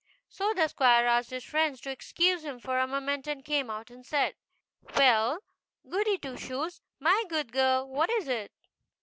So the squire asked his friends to excuse him for a moment, and came out and said, "Well, Goody Two Shoes, my good girl, what is it?"